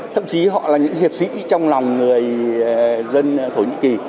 thậm chí họ là những hiệp sĩ trong lòng người dân thổ nhĩ kỳ